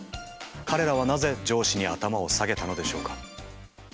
彼らはなぜ上司に頭を下げたのでしょうか？